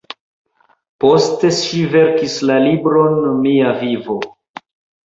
Poste ŝi verkis la libron ""Mia vivo"".